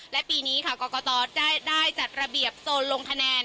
และปีนี้ค่ะกรกตได้จัดระเบียบโซนลงคะแนน